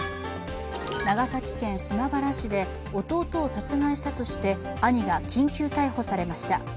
長崎県島原市で弟を殺害したとして兄が緊急逮捕されました。